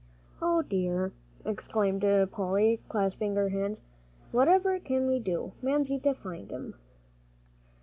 '" "O dear!" exclaimed Polly, clasping her hands, "whatever can we do, Mamsie, to find him?"